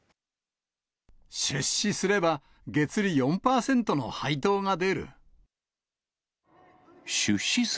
出資すれば月利４％の配当が出る。